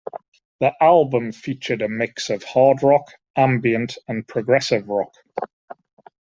The album featured a mix of hard rock, ambient, and progressive rock.